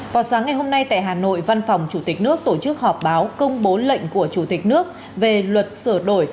vào sáng ngày hôm nay tại hà nội văn phòng chủ tịch nước tổ chức họp báo công bố lệnh của chủ tịch nước về luật sửa đổi